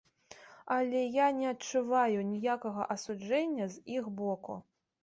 Але я не адчуваю ніякага асуджэння з іх боку.